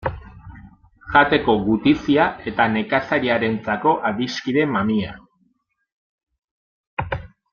Jateko gutizia eta nekazariarentzako adiskide mamia.